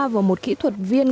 và một kỹ thuật viên